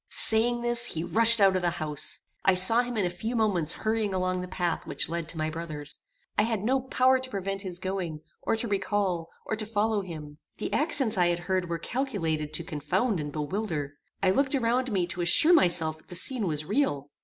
Saying this, he rushed out of the house. I saw him in a few moments hurrying along the path which led to my brother's. I had no power to prevent his going, or to recall, or to follow him. The accents I had heard were calculated to confound and bewilder. I looked around me to assure myself that the scene was real.